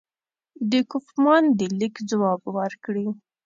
د کوفمان د لیک ځواب ورکړي.